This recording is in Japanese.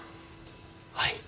はい。